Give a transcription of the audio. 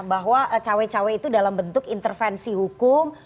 bahwa cawe cawe itu dalam bentuk intervensi hukum